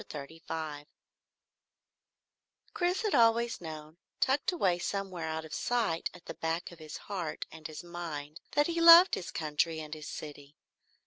CHAPTER 35 Chris had always known, tucked away somewhere out of sight at the back of his heart and his mind, that he loved his country and his city.